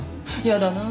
嫌だな。